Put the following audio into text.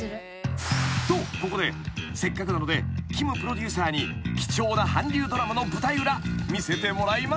［とここでせっかくなのでキムプロデューサーに貴重な韓流ドラマの舞台裏見せてもらいました］